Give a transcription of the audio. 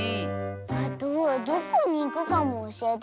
あとどこにいくかもおしえてくれないし。